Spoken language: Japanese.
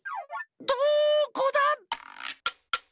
どこだ？